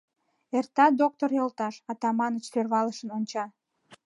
Эрта, доктор йолташ, — Атаманыч сӧрвалышын онча.